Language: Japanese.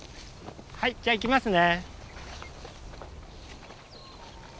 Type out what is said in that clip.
はいじゃあ行きますね。